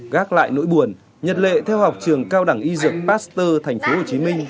gác lại nỗi buồn nhật lệ theo học trường cao đẳng y dược pasteur tp hcm